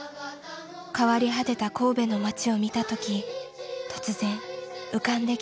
変わり果てた神戸の街を見た時突然浮かんできた歌詞とメロディー。